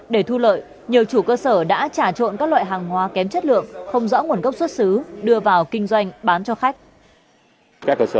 để thu lợi nhiều chủ cơ sở đã trả trộn các loại hàng hóa kém chất lượng không rõ nguồn gốc xuất xứ đưa vào kinh doanh bán cho khách